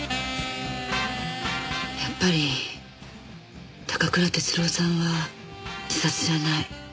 やっぱり高倉徹郎さんは自殺じゃない。